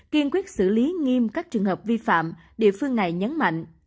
kiên quyết xử lý nghiêm các trường hợp vi phạm địa phương này nhấn mạnh